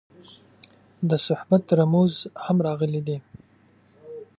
د صحبت رموز هم راغلي دي.